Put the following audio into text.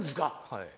はい。